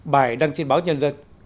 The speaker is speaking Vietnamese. bài đăng trên báo nhân dân